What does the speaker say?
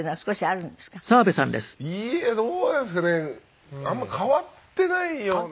あんまり変わってないような。